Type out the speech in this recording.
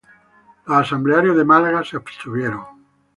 Los asamblearios de Málaga se abstuvieron.